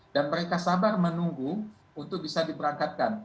dan mereka sabar menunggu untuk bisa diberangkatkan